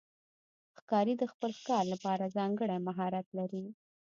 ښکاري د خپل ښکار لپاره ځانګړی مهارت لري.